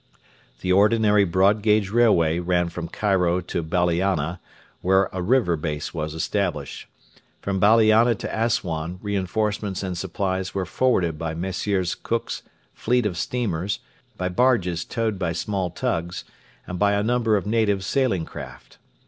The ordinary broad gauge railway ran from Cairo to Balliana, where a river base was established. From Balliana to Assuan reinforcements and supplies were forwarded by Messrs. Cook's fleet of steamers, by barges towed by small tugs, and by a number of native sailing craft.